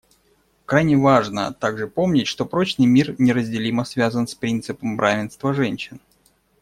Крайне важно также помнить, что прочный мир неразделимо связан с принципом равенства женщин.